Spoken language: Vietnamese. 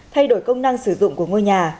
thay đổi công năng sử dụng của ngôi nhà